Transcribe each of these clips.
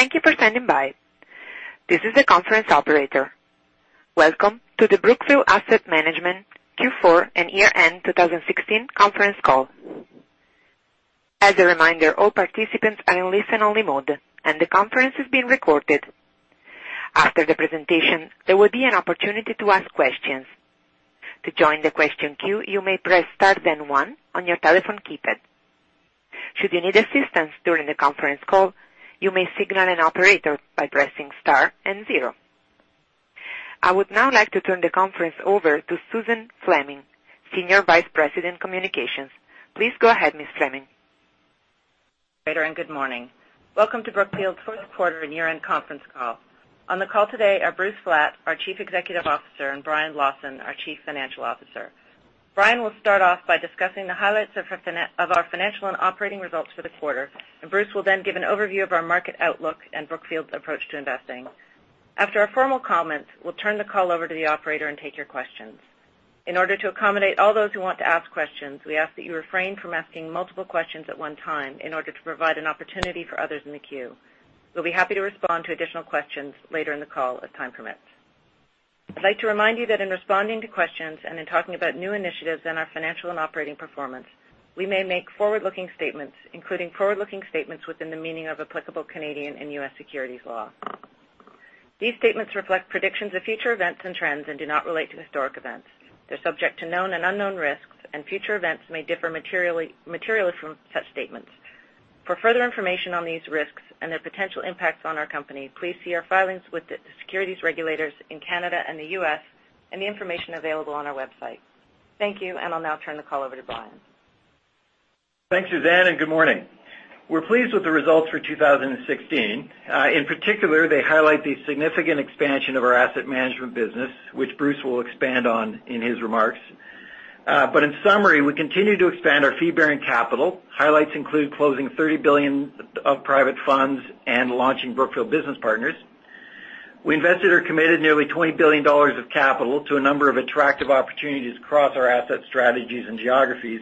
Thank you for standing by. This is the conference operator. Welcome to the Brookfield Asset Management Q4 and year-end 2016 conference call. As a reminder, all participants are in listen-only mode, and the conference is being recorded. After the presentation, there will be an opportunity to ask questions. To join the question queue, you may press star then one on your telephone keypad. Should you need assistance during the conference call, you may signal an operator by pressing star and zero. I would now like to turn the conference over to Suzanne Fleming, Senior Vice President, Communications. Please go ahead, Ms. Fleming. Good morning. Welcome to Brookfield's first quarter and year-end conference call. On the call today are Bruce Flatt, our Chief Executive Officer, and Brian Lawson, our Chief Financial Officer. Brian will start off by discussing the highlights of our financial and operating results for the quarter. Bruce will then give an overview of our market outlook and Brookfield's approach to investing. After our formal comments, we'll turn the call over to the operator and take your questions. In order to accommodate all those who want to ask questions, we ask that you refrain from asking multiple questions at one time in order to provide an opportunity for others in the queue. We'll be happy to respond to additional questions later in the call as time permits. I'd like to remind you that in responding to questions and in talking about new initiatives in our financial and operating performance, we may make forward-looking statements, including forward-looking statements within the meaning of applicable Canadian and U.S. securities law. These statements reflect predictions of future events and trends and do not relate to historic events. They're subject to known and unknown risks, and future events may differ materially from such statements. For further information on these risks and their potential impacts on our company, please see our filings with the securities regulators in Canada and the U.S. and the information available on our website. Thank you. I'll now turn the call over to Brian. Thanks, Suzanne. Good morning. We're pleased with the results for 2016. In particular, they highlight the significant expansion of our asset management business, which Bruce will expand on in his remarks. In summary, we continue to expand our fee-bearing capital. Highlights include closing $30 billion of private funds and launching Brookfield Business Partners. We invested or committed nearly $20 billion of capital to a number of attractive opportunities across our asset strategies and geographies.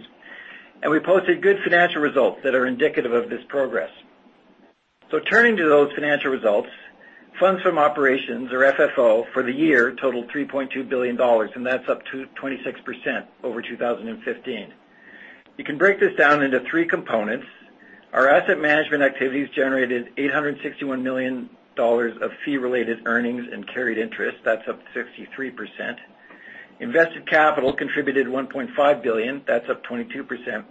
We posted good financial results that are indicative of this progress. Turning to those financial results, funds from operations, or FFO, for the year totaled $3.2 billion. That's up 26% over 2015. You can break this down into three components. Our asset management activities generated $861 million of fee-related earnings and carried interest. That's up 53%. Invested capital contributed $1.5 billion. That's up 22%.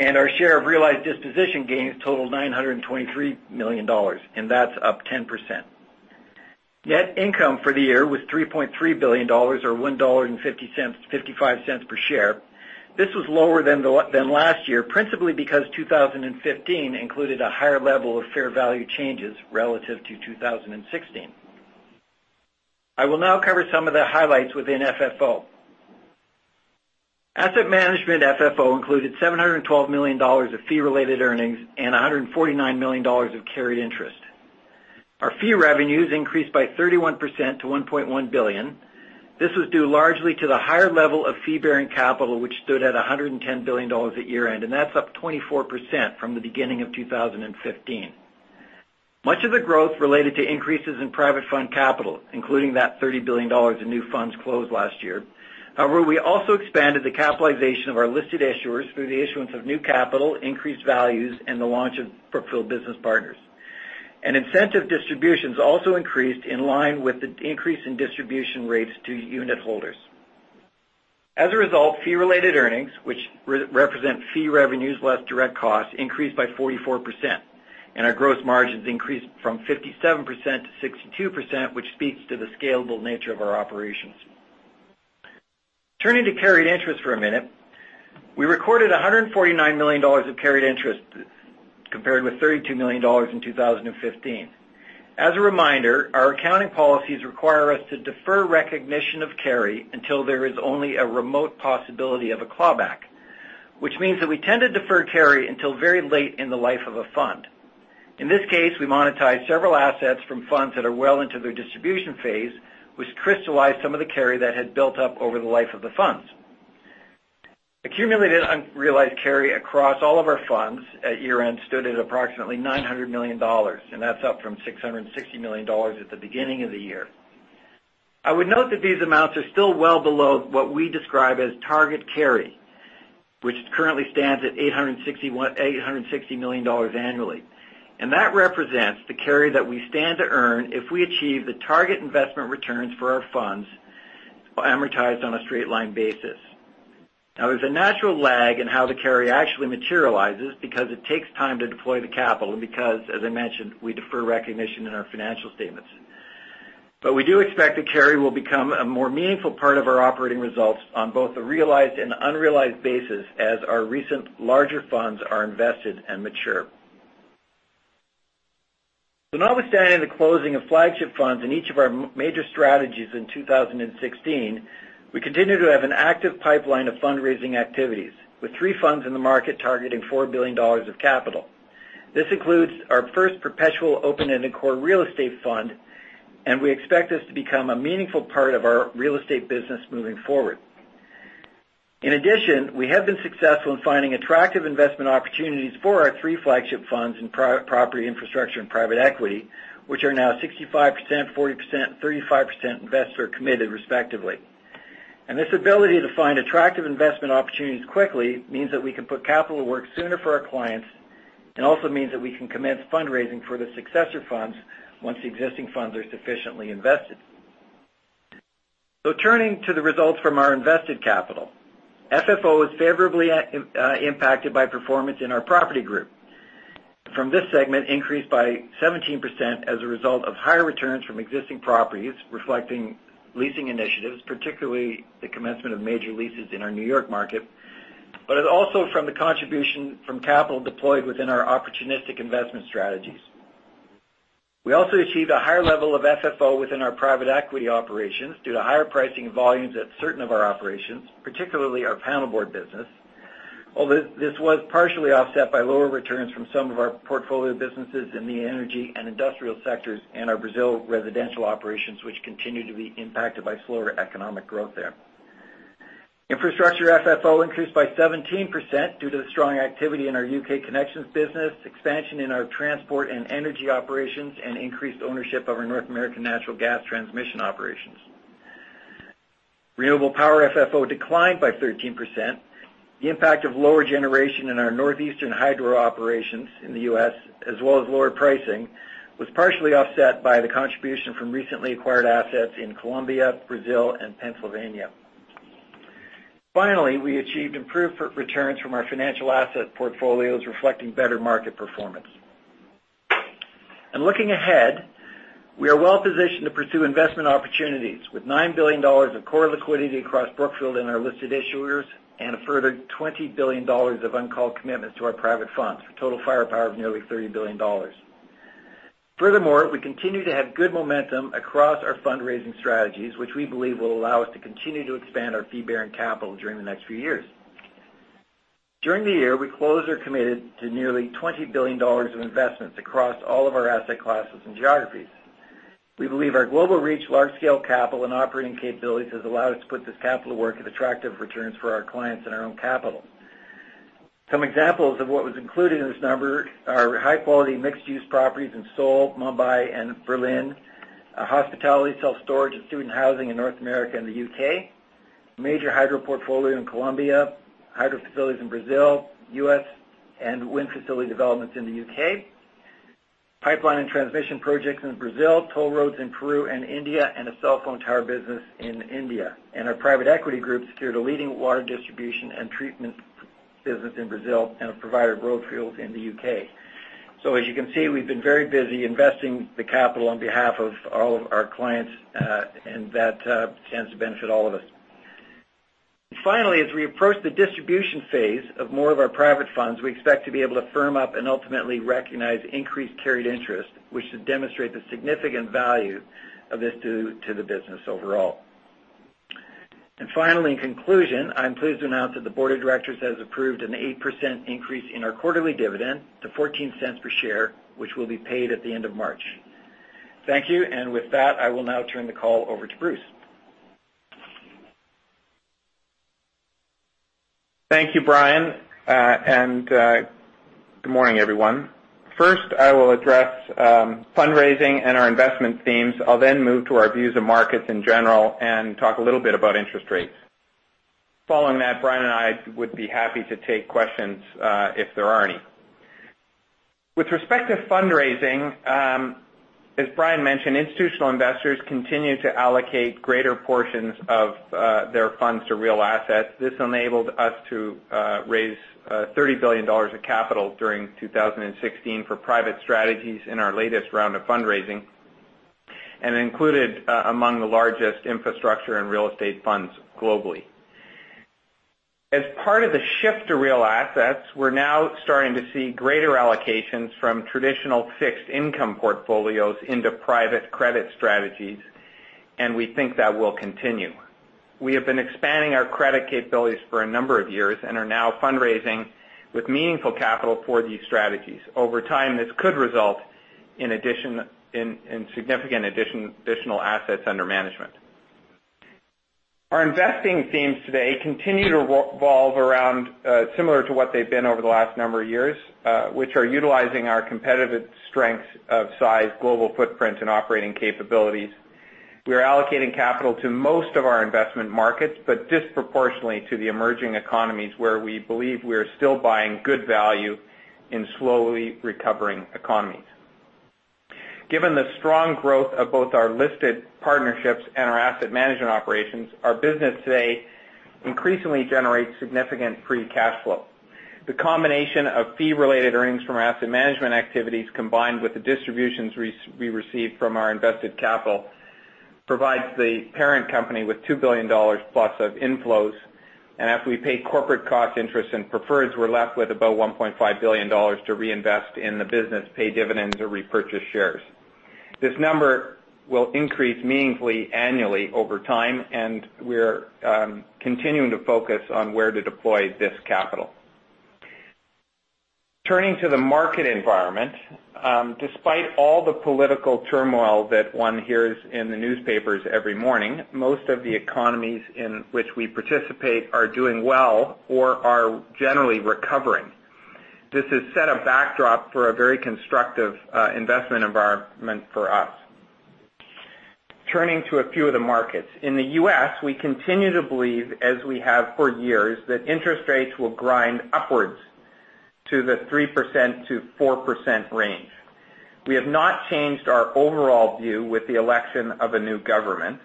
Our share of realized disposition gains totaled $923 million, and that's up 10%. Net income for the year was $3.3 billion, or $1.55 per share. This was lower than last year, principally because 2015 included a higher level of fair value changes relative to 2016. I will now cover some of the highlights within FFO. Asset management FFO included $712 million of fee-related earnings and $149 million of carried interest. Our fee revenues increased by 31% to $1.1 billion. This was due largely to the higher level of fee-bearing capital, which stood at $110 billion at year-end, and that's up 24% from the beginning of 2015. Much of the growth related to increases in private fund capital, including that $30 billion in new funds closed last year. We also expanded the capitalization of our listed issuers through the issuance of new capital, increased values, and the launch of Brookfield Business Partners. Incentive distributions also increased in line with the increase in distribution rates to unitholders. As a result, fee-related earnings, which represent fee revenues less direct costs, increased by 44%, and our gross margins increased from 57%-62%, which speaks to the scalable nature of our operations. Turning to carried interest for a minute, we recorded $149 million of carried interest compared with $32 million in 2015. As a reminder, our accounting policies require us to defer recognition of carry until there is only a remote possibility of a clawback, which means that we tend to defer carry until very late in the life of a fund. In this case, we monetized several assets from funds that are well into their distribution phase, which crystallized some of the carry that had built up over the life of the funds. Accumulated unrealized carry across all of our funds at year-end stood at approximately $900 million, and that's up from $660 million at the beginning of the year. I would note that these amounts are still well below what we describe as target carry, which currently stands at $860 million annually. That represents the carry that we stand to earn if we achieve the target investment returns for our funds amortized on a straight line basis. There's a natural lag in how the carry actually materializes because it takes time to deploy the capital and because, as I mentioned, we defer recognition in our financial statements. We do expect the carry will become a more meaningful part of our operating results on both a realized and unrealized basis as our recent larger funds are invested and mature. Notwithstanding the closing of flagship funds in each of our major strategies in 2016, we continue to have an active pipeline of fundraising activities, with three funds in the market targeting $4 billion of capital. This includes our first perpetual open-ended core real estate fund, and we expect this to become a meaningful part of our real estate business moving forward. In addition, we have been successful in finding attractive investment opportunities for our three flagship funds in property infrastructure and private equity, which are now 65%, 40%, 35% investor committed respectively. This ability to find attractive investment opportunities quickly means that we can put capital to work sooner for our clients, and also means that we can commence fundraising for the successor funds once the existing funds are sufficiently invested. Turning to the results from our invested capital. FFO is favorably impacted by performance in our property group. From this segment, increased by 17% as a result of higher returns from existing properties reflecting leasing initiatives, particularly the commencement of major leases in our New York market, but also from the contribution from capital deployed within our opportunistic investment strategies. We also achieved a higher level of FFO within our private equity operations due to higher pricing volumes at certain of our operations, particularly our panelboard business, although this was partially offset by lower returns from some of our portfolio businesses in the energy and industrial sectors and our Brazil residential operations, which continue to be impacted by slower economic growth there. Infrastructure FFO increased by 17% due to the strong activity in our U.K. connections business, expansion in our transport and energy operations, and increased ownership of our North American natural gas transmission operations. Renewable power FFO declined by 13%. The impact of lower generation in our northeastern hydro operations in the U.S., as well as lower pricing, was partially offset by the contribution from recently acquired assets in Colombia, Brazil, and Pennsylvania. We achieved improved returns from our financial asset portfolios, reflecting better market performance. Looking ahead, we are well-positioned to pursue investment opportunities, with $9 billion of core liquidity across Brookfield and our listed issuers, and a further $20 billion of uncalled commitments to our private funds, for total firepower of nearly $30 billion. We continue to have good momentum across our fundraising strategies, which we believe will allow us to continue to expand our fee-bearing capital during the next few years. During the year, we closed or committed to nearly $20 billion of investments across all of our asset classes and geographies. We believe our global reach, large-scale capital, and operating capabilities has allowed us to put this capital to work at attractive returns for our clients and our own capital. Some examples of what was included in this number are high-quality mixed-use properties in Seoul, Mumbai, and Berlin, hospitality, self-storage, and student housing in North America and the U.K., major hydro portfolio in Colombia, hydro facilities in Brazil, U.S., and wind facility developments in the U.K., pipeline and transmission projects in Brazil, toll roads in Peru and India, and a cell phone tower business in India. Our private equity group secured a leading water distribution and treatment business in Brazil and a provider of growth fuels in the U.K. As you can see, we've been very busy investing the capital on behalf of all of our clients, and that stands to benefit all of us. As we approach the distribution phase of more of our private funds, we expect to be able to firm up and ultimately recognize increased carried interest, which should demonstrate the significant value of this to the business overall. Finally, in conclusion, I'm pleased to announce that the board of directors has approved an 8% increase in our quarterly dividend to $0.14 per share, which will be paid at the end of March. Thank you. With that, I will now turn the call over to Bruce. Thank you, Brian. Good morning, everyone. First, I will address fundraising and our investment themes. I'll then move to our views of markets in general and talk a little bit about interest rates. Following that, Brian and I would be happy to take questions if there are any. With respect to fundraising, as Brian mentioned, institutional investors continue to allocate greater portions of their funds to real assets. This enabled us to raise $30 billion of capital during 2016 for private strategies in our latest round of fundraising, included among the largest infrastructure and real estate funds globally. As part of the shift to real assets, we're now starting to see greater allocations from traditional fixed income portfolios into private credit strategies, we think that will continue. We have been expanding our credit capabilities for a number of years, are now fundraising with meaningful capital for these strategies. Over time, this could result in significant additional assets under management. Our investing themes today continue to revolve around similar to what they've been over the last number of years, which are utilizing our competitive strengths of size, global footprint, and operating capabilities. We are allocating capital to most of our investment markets, but disproportionately to the emerging economies where we believe we are still buying good value in slowly recovering economies. Given the strong growth of both our listed partnerships and our asset management operations, our business today increasingly generates significant free cash flow. The combination of fee-related earnings from our asset management activities, combined with the distributions we receive from our invested capital, provides the parent company with $2 billion-plus of inflows. After we pay corporate costs, interest, and preferreds, we're left with about $1.5 billion to reinvest in the business, pay dividends, or repurchase shares. This number will increase meaningfully annually over time, we're continuing to focus on where to deploy this capital. Turning to the market environment. Despite all the political turmoil that one hears in the newspapers every morning, most of the economies in which we participate are doing well or are generally recovering. This has set a backdrop for a very constructive investment environment for us. Turning to a few of the markets. In the U.S., we continue to believe, as we have for years, that interest rates will grind upwards to the 3%-4% range. We have not changed our overall view with the election of a new government.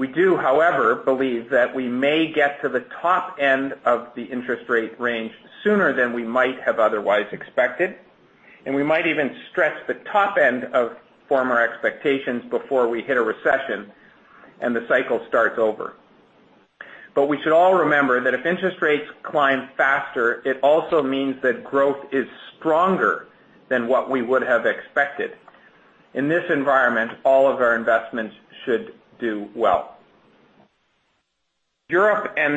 We do, however, believe that we may get to the top end of the interest rate range sooner than we might have otherwise expected, and we might even stretch the top end of former expectations before we hit a recession and the cycle starts over. We should all remember that if interest rates climb faster, it also means that growth is stronger than what we would have expected. In this environment, all of our investments should do well. Europe and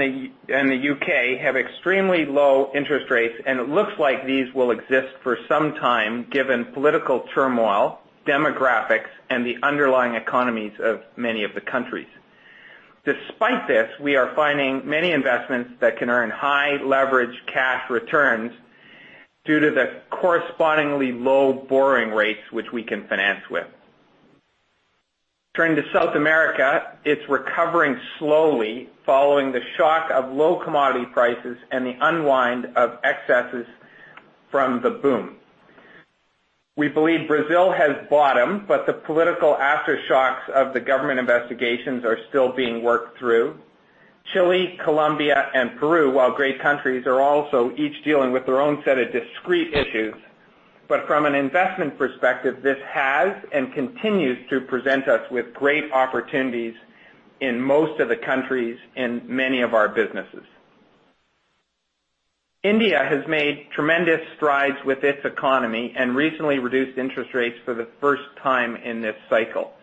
the U.K. have extremely low interest rates, and it looks like these will exist for some time, given political turmoil, demographics, and the underlying economies of many of the countries. Despite this, we are finding many investments that can earn high leverage cash returns due to the correspondingly low borrowing rates, which we can finance with. Turning to South America, it's recovering slowly following the shock of low commodity prices and the unwind of excesses from the boom. We believe Brazil has bottomed, but the political aftershocks of the government investigations are still being worked through. Chile, Colombia, and Peru, while great countries, are also each dealing with their own set of discrete issues. From an investment perspective, this has and continues to present us with great opportunities in most of the countries and many of our businesses. India has made tremendous strides with its economy and recently reduced interest rates for the first time in this cycle.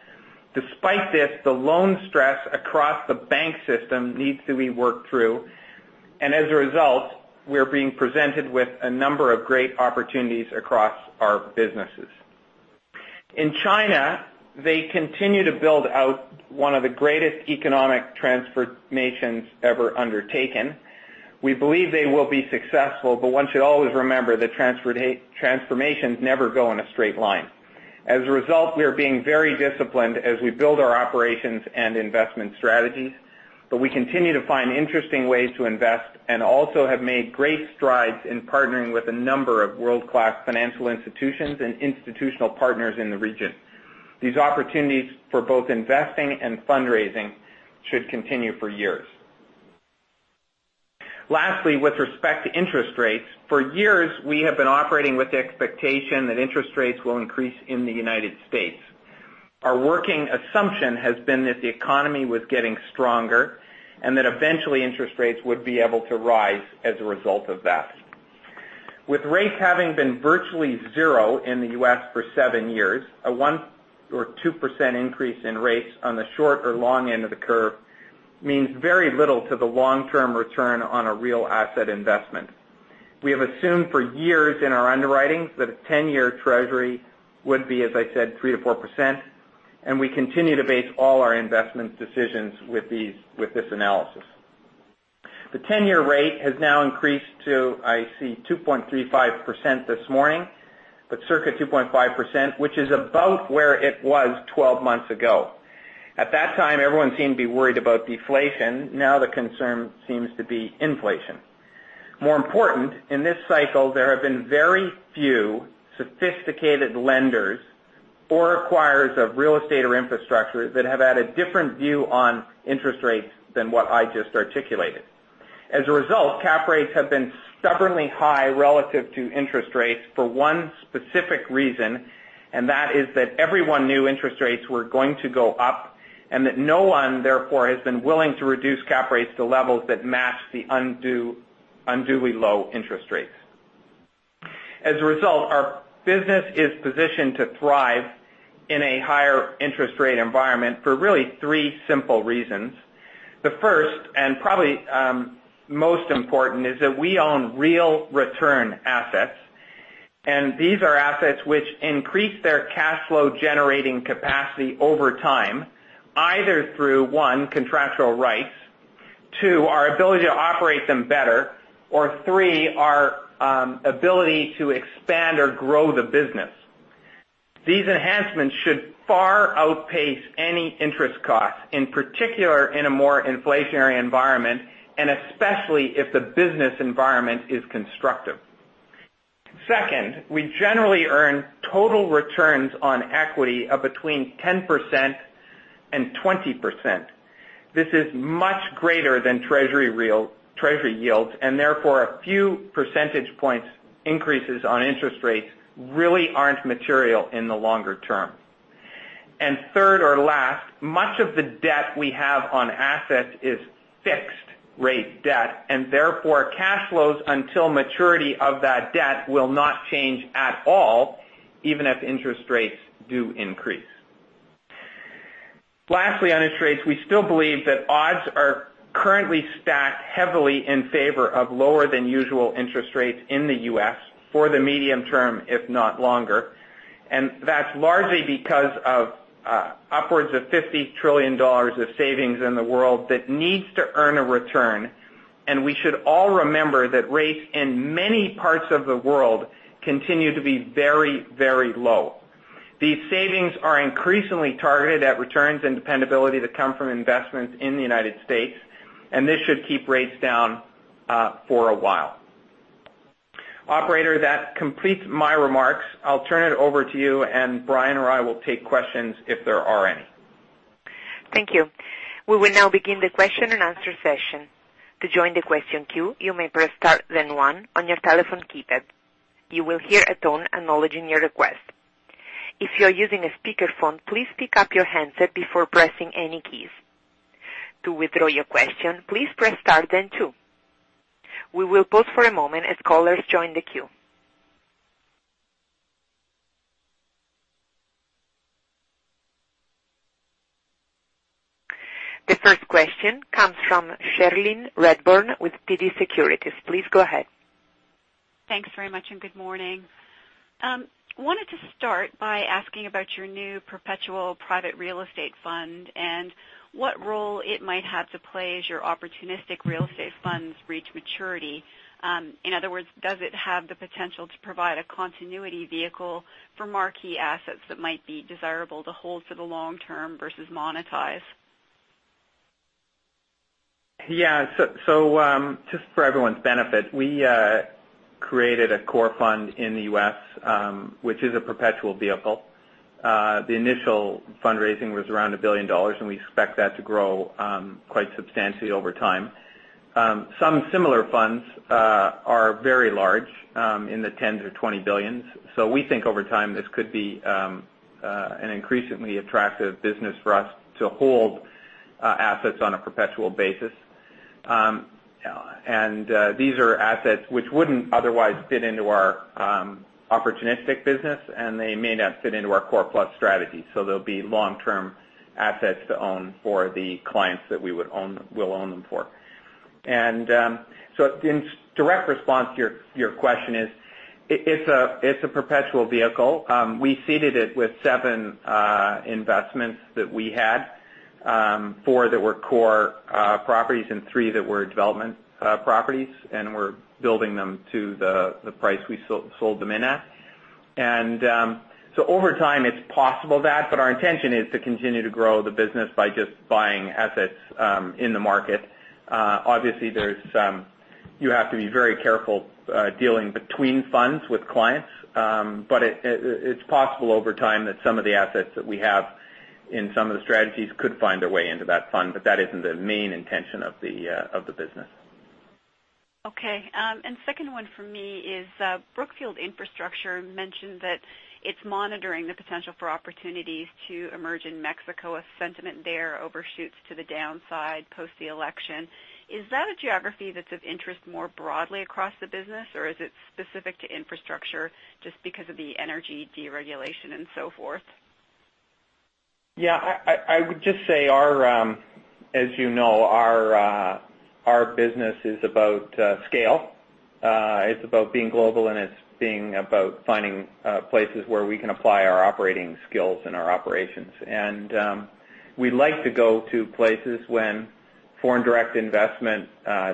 Despite this, the loan stress across the bank system needs to be worked through, and as a result, we're being presented with a number of great opportunities across our businesses. In China, they continue to build out one of the greatest economic transformations ever undertaken. We believe they will be successful, one should always remember that transformations never go in a straight line. As a result, we are being very disciplined as we build our operations and investment strategies, we continue to find interesting ways to invest and also have made great strides in partnering with a number of world-class financial institutions and institutional partners in the region. These opportunities for both investing and fundraising should continue for years. Lastly, with respect to interest rates. For years, we have been operating with the expectation that interest rates will increase in the U.S. Our working assumption has been that the economy was getting stronger and that eventually interest rates would be able to rise as a result of that. With rates having been virtually zero in the U.S. for seven years, a 1% or 2% increase in rates on the short or long end of the curve means very little to the long-term return on a real asset investment. We have assumed for years in our underwriting that a 10-year Treasury would be, as I said, 3% to 4%, and we continue to base all our investment decisions with this analysis. The 10-year rate has now increased to, I see 2.35% this morning, circa 2.5%, which is about where it was 12 months ago. At that time, everyone seemed to be worried about deflation. Now the concern seems to be inflation. More important, in this cycle, there have been very few sophisticated lenders or acquirers of real estate or infrastructure that have had a different view on interest rates than what I just articulated. As a result, cap rates have been stubbornly high relative to interest rates for one specific reason. That is that everyone knew interest rates were going to go up and that no one, therefore, has been willing to reduce cap rates to levels that match the unduly low interest rates. As a result, our business is positioned to thrive in a higher interest rate environment for really three simple reasons. The first, and probably most important, is that we own real return assets. These are assets which increase their cash flow generating capacity over time, either through, one, contractual rights, two, our ability to operate them better, or three, our ability to expand or grow the business. These enhancements should far outpace any interest costs, in particular, in a more inflationary environment, especially if the business environment is constructive. Second, we generally earn total returns on equity of between 10%-20%. This is much greater than Treasury yields, therefore, a few percentage points increases on interest rates really aren't material in the longer term. Third or last, much of the debt we have on assets is fixed-rate debt, therefore cash flows until maturity of that debt will not change at all, even if interest rates do increase. Lastly, on interest rates, we still believe that odds are currently stacked heavily in favor of lower than usual interest rates in the U.S. for the medium term, if not longer. That's largely because of upwards of $50 trillion of savings in the world that needs to earn a return. We should all remember that rates in many parts of the world continue to be very low. These savings are increasingly targeted at returns and dependability that come from investments in the United States. This should keep rates down for a while. Operator, that completes my remarks. I'll turn it over to you and Brian or I will take questions if there are any. Thank you. We will now begin the question and answer session. To join the question queue, you may press star then one on your telephone keypad. You will hear a tone acknowledging your request. If you are using a speakerphone, please pick up your handset before pressing any keys. To withdraw your question, please press star then two. We will pause for a moment as callers join the queue. The first question comes from Cherilyn Radbourne with TD Securities. Please go ahead. Thanks very much, and good morning. Wanted to start by asking about your new perpetual private real estate fund and what role it might have to play as your opportunistic real estate funds reach maturity. In other words, does it have the potential to provide a continuity vehicle for marquee assets that might be desirable to hold for the long term versus monetize? Yeah. Just for everyone's benefit, we created a core fund in the U.S., which is a perpetual vehicle. The initial fundraising was around $1 billion, and we expect that to grow quite substantially over time. Some similar funds are very large, in the $10 billion-$20 billion. We think over time, this could be an increasingly attractive business for us to hold assets on a perpetual basis. These are assets which wouldn't otherwise fit into our opportunistic business, and they may not fit into our core plus strategy. They'll be long-term assets to own for the clients that we'll own them for. In direct response to your question is, it's a perpetual vehicle. We seeded it with seven investments that we had, four that were core properties and three that were development properties, and we're building them to the price we sold them in at. Over time, it's possible that, but our intention is to continue to grow the business by just buying assets in the market. Obviously you have to be very careful dealing between funds with clients. It's possible over time that some of the assets that we have in some of the strategies could find their way into that fund, but that isn't the main intention of the business. Okay. Second one for me is, Brookfield Infrastructure mentioned that it's monitoring the potential for opportunities to emerge in Mexico as sentiment there overshoots to the downside post the election. Is that a geography that's of interest more broadly across the business, or is it specific to infrastructure just because of the energy deregulation and so forth? Yeah. I would just say as you know, our business is about scale. It's about being global, and it's being about finding places where we can apply our operating skills and our operations. We like to go to places when foreign direct investment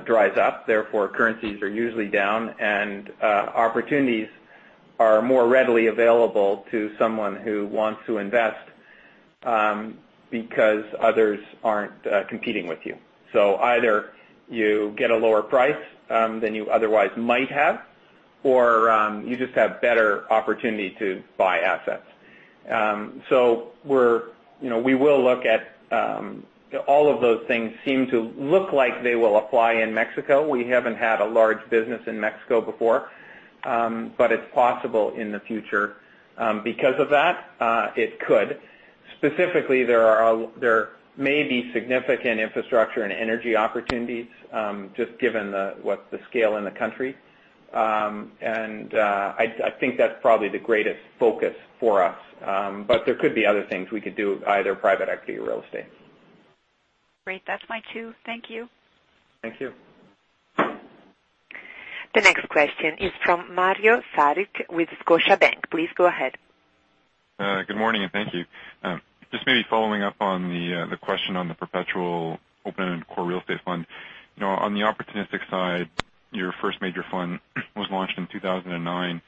dries up, therefore currencies are usually down, and opportunities are more readily available to someone who wants to invest because others aren't competing with you. Either you get a lower price than you otherwise might have, or you just have better opportunity to buy assets. We will look at all of those things seem to look like they will apply in Mexico. We haven't had a large business in Mexico before, but it's possible in the future. Because of that, it could. Specifically, there may be significant infrastructure and energy opportunities, just given the scale in the country. I think that's probably the greatest focus for us. There could be other things we could do, either private equity or real estate. Great. That's my two. Thank you. Thank you. The next question is from Mario Saric with Scotiabank. Please go ahead. Good morning, and thank you. Just maybe following up on the question on the perpetual open-end core real estate fund. On the opportunistic side, your first major fund was launched in 2009,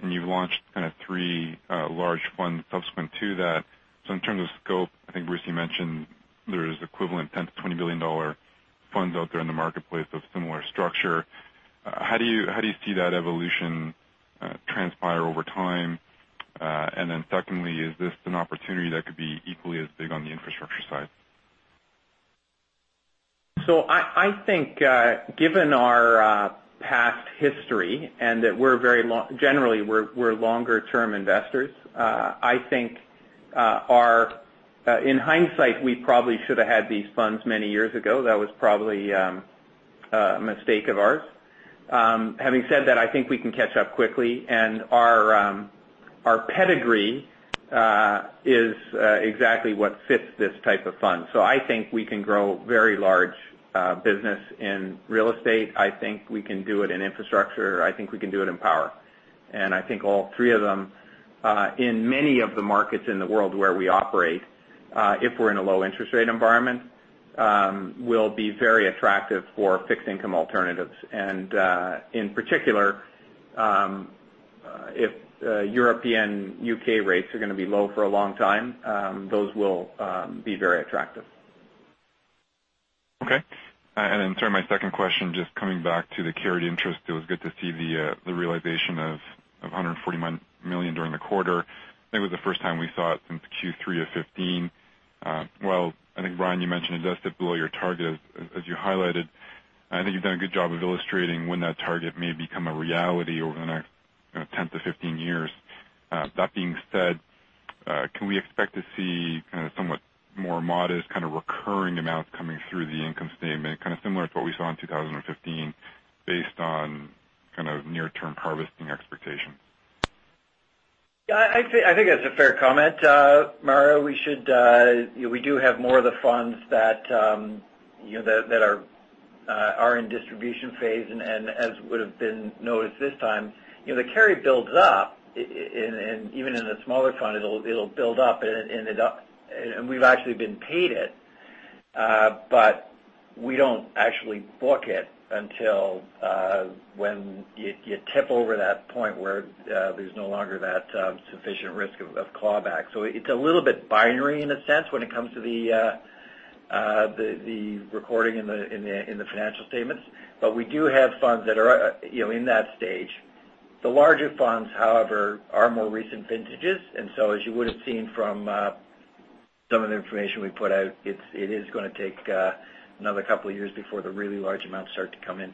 and you've launched kind of three large funds subsequent to that. In terms of scope, I think Bruce, you mentioned there's equivalent $10 billion-$20 billion funds out there in the marketplace of similar structure. How do you see that evolution transpire over time? Secondly, is this an opportunity that could be equally as big on the infrastructure side? I think given our past history and that generally we're longer term investors, I think in hindsight, we probably should have had these funds many years ago. That was probably a mistake of ours. Having said that, I think we can catch up quickly, and our pedigree is exactly what fits this type of fund. I think we can grow a very large business in real estate. I think we can do it in infrastructure. I think we can do it in power. I think all three of them, in many of the markets in the world where we operate, if we're in a low interest rate environment, will be very attractive for fixed income alternatives. In particular, if European U.K. rates are going to be low for a long time, those will be very attractive. Okay. Sorry, my second question, just coming back to the carried interest, it was good to see the realization of $149 million during the quarter. I think it was the first time we saw it since Q3 of 2015. Well, I think, Brian, you mentioned it does sit below your target, as you highlighted. I think you've done a good job of illustrating when that target may become a reality over the next 10 to 15 years. That being said, can we expect to see somewhat more modest, kind of recurring amounts coming through the income statement, kind of similar to what we saw in 2015 based on near-term harvesting expectation? Yeah. I think that's a fair comment, Mario. We do have more of the funds that are in distribution phase, as would've been noticed this time, the carry builds up, and even in a smaller fund, it'll build up. We've actually been paid it. We don't actually book it until when you tip over that point where there's no longer that sufficient risk of clawback. It's a little bit binary in a sense when it comes to the recording in the financial statements. We do have funds that are in that stage. The larger funds, however, are more recent vintages. As you would've seen from some of the information we put out, it is going to take another couple of years before the really large amounts start to come in.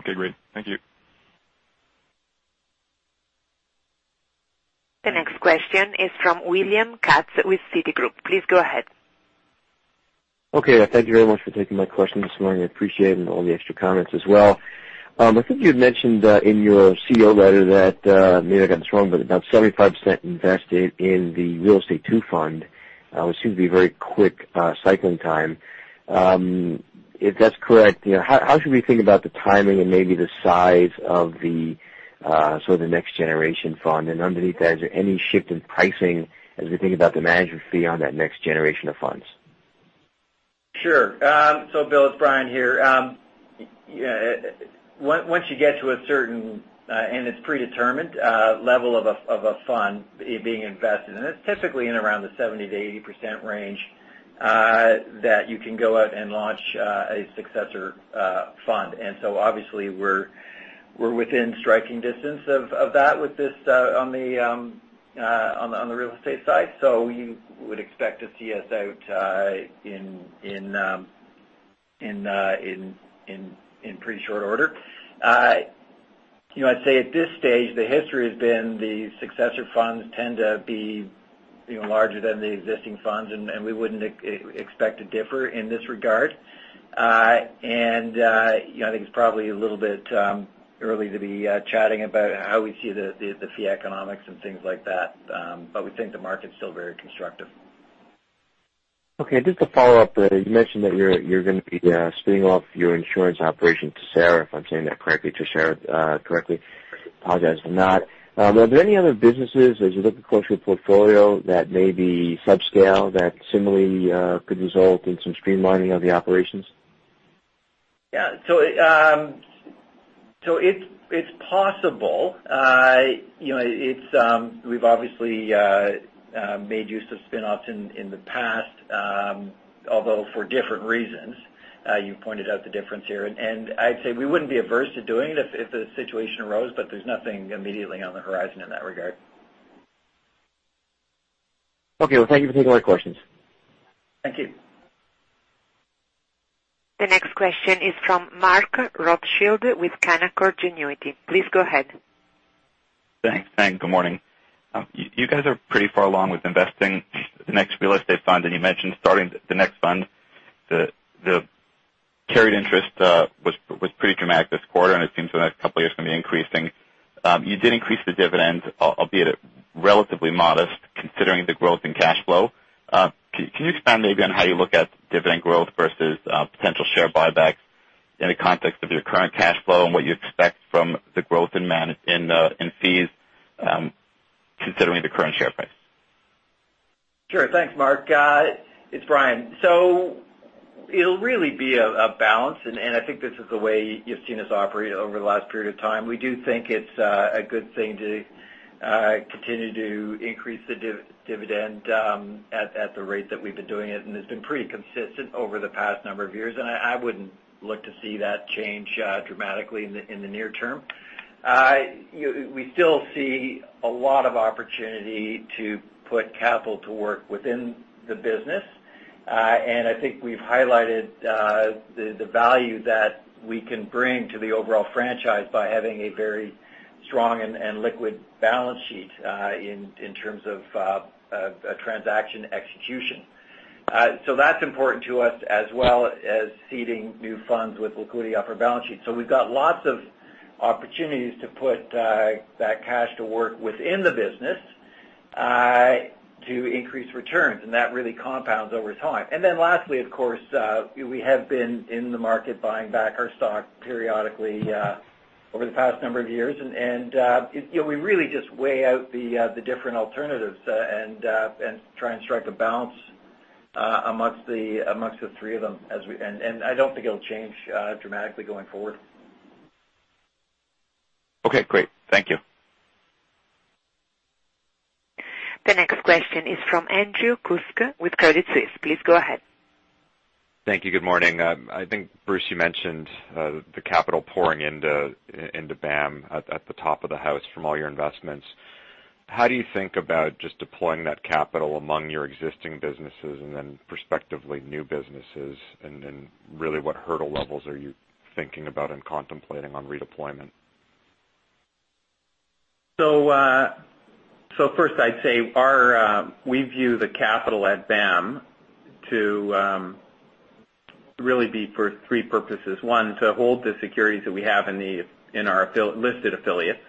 Okay, great. Thank you. The next question is from William Katz with Citigroup. Please go ahead. Thank you very much for taking my question this morning. I appreciate it and all the extra comments as well. I think you had mentioned in your CEO letter that, maybe I got this wrong, but about 75% invested in the Real Estate 2 fund. It seemed to be very quick cycling time. If that's correct, how should we think about the timing and maybe the size of the next generation fund? Underneath that, is there any shift in pricing as we think about the management fee on that next generation of funds? Sure. Bill, it's Brian here. Once you get to a certain, and it's predetermined, level of a fund being invested, and it's typically in around the 70% to 80% range, that you can go out and launch a successor fund. Obviously we're within striking distance of that with this on the real estate side. You would expect to see us out in pretty short order. I'd say at this stage, the history has been the successor funds tend to be larger than the existing funds, and we wouldn't expect to differ in this regard. I think it's probably a little bit early to be chatting about how we see the fee economics and things like that. We think the market's still very constructive. Okay, just to follow up, you mentioned that you're going to be spinning off your insurance operation to Trisura, if I'm saying that correctly. Apologize for that. Were there any other businesses, as you look across your portfolio that may be subscale, that similarly could result in some streamlining of the operations? Yeah. It's possible. We've obviously made use of spin-offs in the past, although for different reasons. You pointed out the difference here, and I'd say we wouldn't be averse to doing it if the situation arose, but there's nothing immediately on the horizon in that regard. Okay. Well, thank you for taking my questions. Thank you. The next question is from Mark Rothschild with Canaccord Genuity. Please go ahead. Thanks. Good morning. You guys are pretty far along with investing the next real estate fund, and you mentioned starting the next fund. The carried interest was pretty dramatic this quarter, and it seems the next couple of years it's going to be increasing. You did increase the dividend, albeit relatively modest considering the growth in cash flow. Can you expand maybe on how you look at dividend growth versus potential share buybacks in the context of your current cash flow and what you expect from the growth in fees considering the current share price? Thanks, Mark. It's Brian. It'll really be a balance, I think this is the way you've seen us operate over the last period of time. We do think it's a good thing to continue to increase the dividend at the rate that we've been doing it. It's been pretty consistent over the past number of years, and I wouldn't look to see that change dramatically in the near term. We still see a lot of opportunity to put capital to work within the business. I think we've highlighted the value that we can bring to the overall franchise by having a very strong and liquid balance sheet in terms of transaction execution. That's important to us, as well as seeding new funds with liquidity off our balance sheet. We've got lots of opportunities to put that cash to work within the business to increase returns, that really compounds over time. Lastly, of course, we have been in the market buying back our stock periodically over the past number of years, we really just weigh out the different alternatives and try and strike a balance amongst the three of them. I don't think it'll change dramatically going forward. Okay, great. Thank you. The next question is from Andrew Kuske with Credit Suisse. Please go ahead. Thank you. Good morning. I think, Bruce, you mentioned the capital pouring into BAM at the top of the house from all your investments. How do you think about just deploying that capital among your existing businesses and then prospectively new businesses? Really, what hurdle levels are you thinking about and contemplating on redeployment? First I'd say we view the capital at BAM to really be for three purposes. One, to hold the securities that we have in our listed affiliates.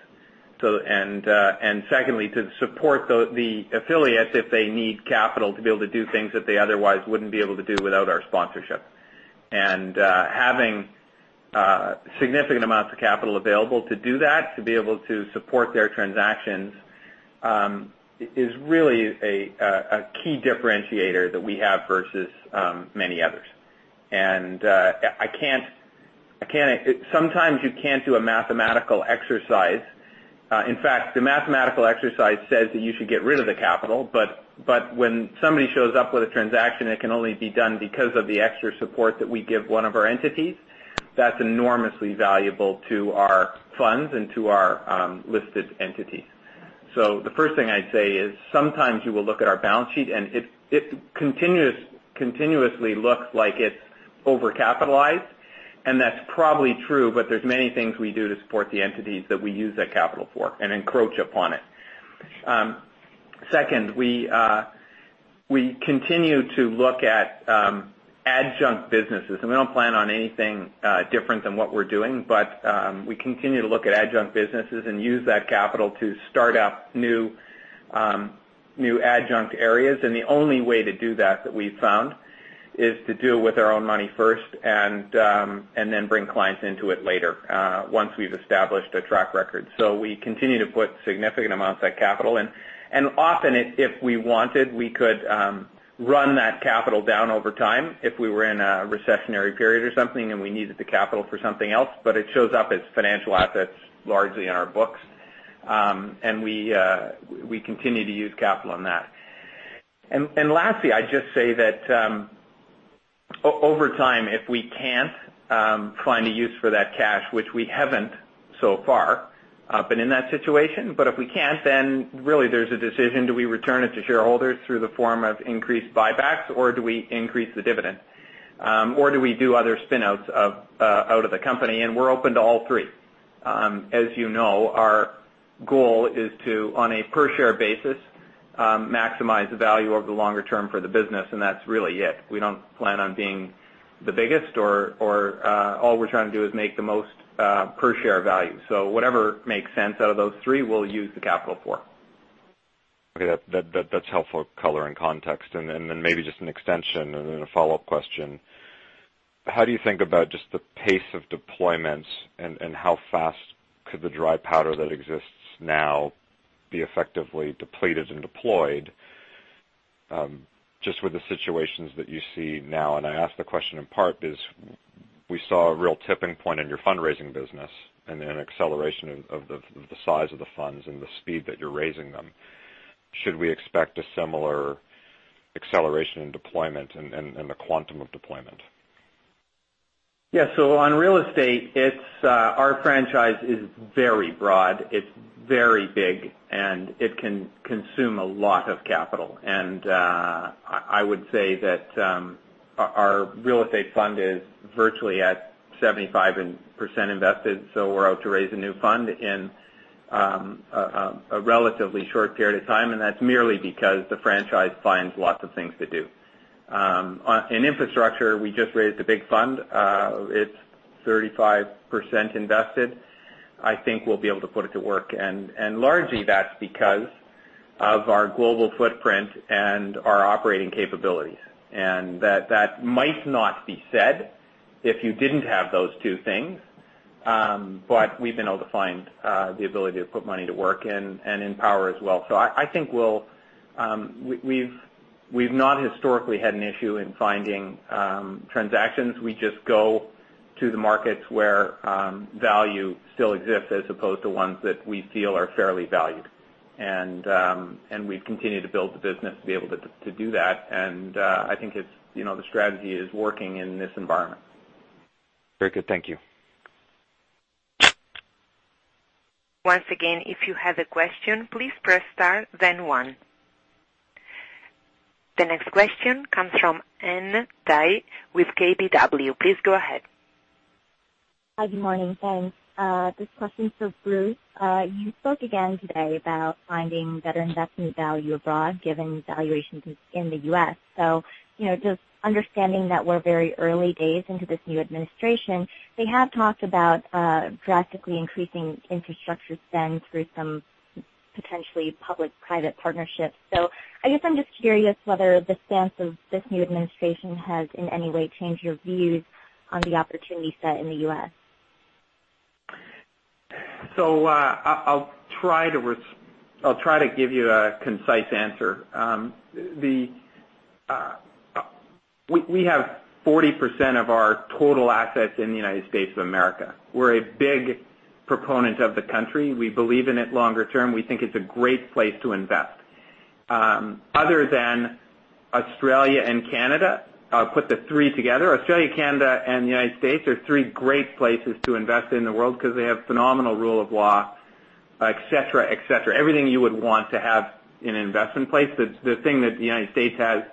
Secondly, to support the affiliates if they need capital to be able to do things that they otherwise wouldn't be able to do without our sponsorship. Having significant amounts of capital available to do that, to be able to support their transactions, is really a key differentiator that we have versus many others. Sometimes you can't do a mathematical exercise. In fact, the mathematical exercise says that you should get rid of the capital, but when somebody shows up with a transaction, it can only be done because of the extra support that we give one of our entities. That's enormously valuable to our funds and to our listed entities. The first thing I'd say is, sometimes you will look at our balance sheet, and it continuously looks like it's overcapitalized, and that's probably true, but there's many things we do to support the entities that we use that capital for and encroach upon it. Second, we continue to look at adjunct businesses, and we don't plan on anything different than what we're doing. We continue to look at adjunct businesses and use that capital to start up new adjunct areas. The only way to do that we've found, is to do it with our own money first and then bring clients into it later once we've established a track record. We continue to put significant amounts of capital in. Often, if we wanted, we could run that capital down over time if we were in a recessionary period or something and we needed the capital for something else. It shows up as financial assets largely in our books. We continue to use capital on that. Lastly, I'd just say that over time, if we can't find a use for that cash, which we haven't so far been in that situation, but if we can't, then really there's a decision. Do we return it to shareholders through the form of increased buybacks, or do we increase the dividend? Or do we do other spin-outs out of the company? We're open to all three. As you know, our goal is to, on a per share basis, maximize the value over the longer term for the business, and that's really it. We don't plan on being the biggest. All we're trying to do is make the most per share value. Whatever makes sense out of those three, we'll use the capital for. Okay. That's helpful color and context. Maybe just an extension and a follow-up question. How do you think about just the pace of deployments, and how fast could the dry powder that exists now be effectively depleted and deployed? Just with the situations that you see now, I ask the question in part because we saw a real tipping point in your fundraising business and an acceleration of the size of the funds and the speed that you're raising them. Should we expect a similar acceleration in deployment and the quantum of deployment? Yeah. On real estate, our franchise is very broad. It's very big, and it can consume a lot of capital. I would say that our real estate fund is virtually at 75% invested, we're out to raise a new fund in a relatively short period of time, and that's merely because the franchise finds lots of things to do. In infrastructure, we just raised a big fund. It's 35% invested. I think we'll be able to put it to work. Largely that's because of our global footprint and our operating capabilities. That might not be said if you didn't have those two things. We've been able to find the ability to put money to work and in power as well. I think we've not historically had an issue in finding transactions. We just go to the markets where value still exists as opposed to ones that we feel are fairly valued. We've continued to build the business to be able to do that. I think the strategy is working in this environment. Very good. Thank you. Once again, if you have a question, please press star then one. The next question comes from Ann Dai with KBW. Please go ahead. Hi. Good morning. This question is for Bruce. You spoke again today about finding better investment value abroad given valuations in the U.S. Just understanding that we're very early days into this new administration, they have talked about drastically increasing infrastructure spend through some potentially public-private partnerships. I guess I'm just curious whether the stance of this new administration has in any way changed your views on the opportunity set in the U.S. I'll try to give you a concise answer. We have 40% of our total assets in the United States of America. We're a big proponent of the country. We believe in it longer term. We think it's a great place to invest. Other than Australia and Canada, put the three together, Australia, Canada, and the United States are three great places to invest in the world because they have phenomenal rule of law, et cetera, et cetera. Everything you would want to have in an investment place. The thing that the United States has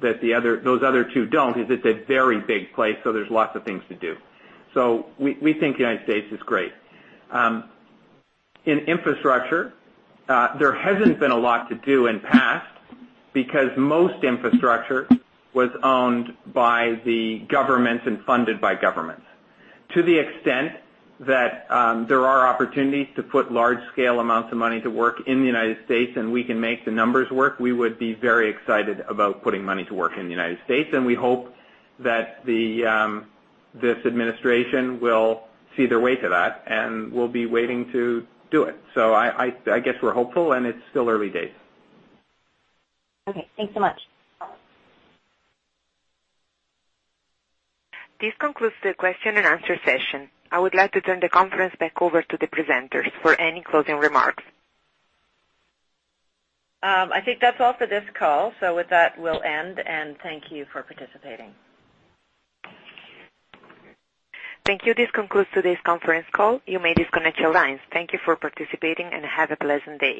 that those other two don't is it's a very big place, there's lots of things to do. We think the United States is great. In infrastructure, there hasn't been a lot to do in the past because most infrastructure was owned by the governments and funded by governments. To the extent that there are opportunities to put large scale amounts of money to work in the United States, we can make the numbers work, we would be very excited about putting money to work in the United States, we hope that this administration will see their way to that, we'll be waiting to do it. I guess we're hopeful, it's still early days. Thanks so much. This concludes the question and answer session. I would like to turn the conference back over to the presenters for any closing remarks. I think that's all for this call. With that, we'll end, thank you for participating. Thank you. This concludes today's conference call. You may disconnect your lines. Thank you for participating, and have a pleasant day.